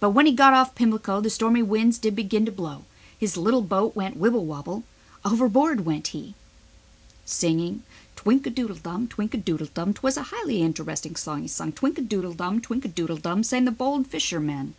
When he arrived off Pimlico, the stormy winds did wildly blow His little boat went wibble, wobble, and over board sprang he. G7 C G7 / G7 C / Singing: Twinki doodle dum, twinki doodle dum, twas the highly interesting song he sung. Twinki doodle dum, twinki doodle dum sang the bold fisherman.